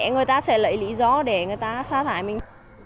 người ta sẽ lấy lý do để người ta xa thải mình